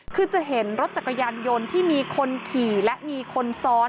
คือจะเห็นรถจักรยานยนต์ที่มีคนขี่และมีคนซ้อน